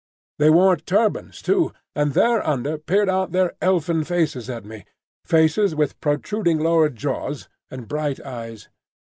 They wore turbans too, and thereunder peered out their elfin faces at me,—faces with protruding lower jaws and bright eyes.